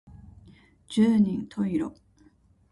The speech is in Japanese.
十人十色